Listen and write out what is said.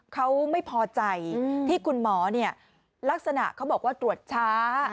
เขาไม่พอใจที่คุณหมอลักษณะเขาบอกว่าตรวจช้า